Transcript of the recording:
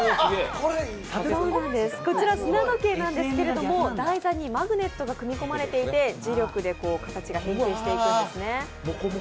こちら砂時計なんですけど、台座にマグネットが組み込まれていて、磁力で形が変形していくんですね。